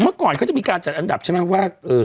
เมื่อก่อนเขาจะมีการจัดอันดับใช่ไหมว่า